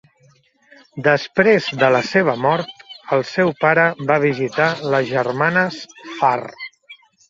Després de la seva mort, el seu pare va visitar les germanes Farr.